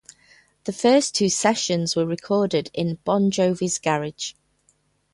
The first two sessions were recorded in Bon Jovi's garage.